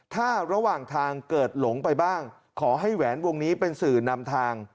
ถ้าระหว่างทางเกิดหลงไปบ้างขอให้แหวนวงนี้เป็นสื่อนำทาง